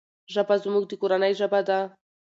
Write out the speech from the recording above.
ژبه زموږ د کورنی ژبه ده.